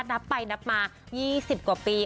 นับไปนับมา๒๐กว่าปี